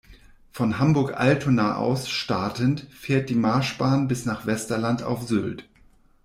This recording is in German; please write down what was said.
Von Hamburg-Altona aus startend fährt die Marschbahn bis nach Westerland auf Sylt.